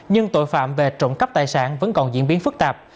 nhưng tội phạm về trộm cắp tài sản vẫn còn diễn biến phức tạp